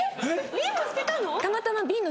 ビンも捨てたの？